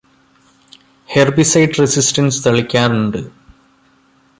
herbicide resistance തളിക്കാനുണ്ട്